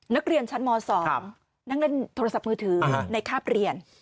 นักเรียนชั้นม๒นั่งเล่นโทรศัพท์มือถือในคาบเรียน